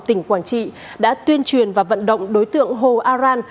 tỉnh quảng trị đã tuyên truyền và vận động đối tượng hồ aran